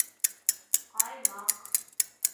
Ҡаймаҡ